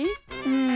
うん。